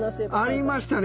ありましたね。